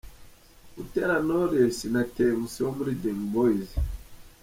Butera Knowless na Tmc wo muri Dream Boys.